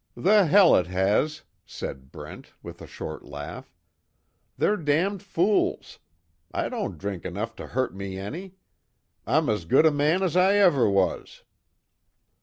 '" "The hell it has," said Brent, with a short laugh. "They're damned fools! I don't drink enough to hurt me any. I'm as good a man as I ever was!"